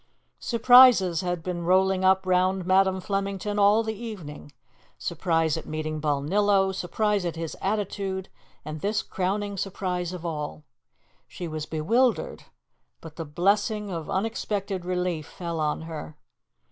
Surprises had been rolling up round Madam Flemington all the evening; surprise at meeting Balnillo, surprise at his attitude; and this crowning surprise of all. She was bewildered, but the blessing of unexpected relief fell on her.